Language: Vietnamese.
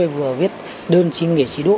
vừa viết đơn xin nghỉ chế độ